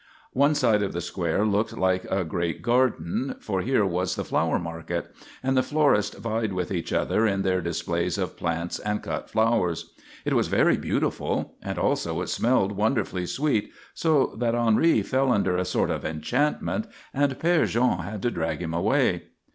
One side of the square looked like a great garden, for here was the flower market, and the florists vied with each other in their displays of plants and cut flowers. It was very beautiful, also it smelled wonderfully sweet, so that Henri fell under a sort of enchantment and Père Jean had to drag him away.